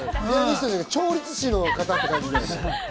調律師の方って感じ。